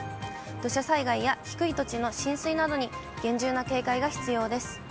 土砂災害や低い土地の浸水などに厳重な警戒が必要です。